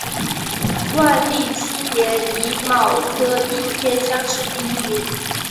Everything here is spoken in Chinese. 万历七年己卯科应天乡试第一名。